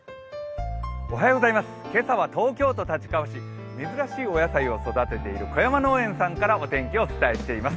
今朝は東京都立川市、珍しいお野菜を育てている小山農園さんからお天気をお伝えしています。